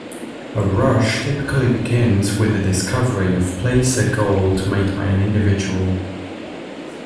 A rush typically begins with the discovery of placer gold made by an individual.